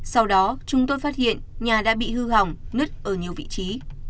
sau đó chúng tôi phát hiện nhà đã bị hư hỏng nứt ở nhiều vị trí